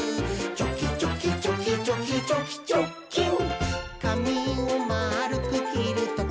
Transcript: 「チョキチョキチョキチョキチョキチョッキン！」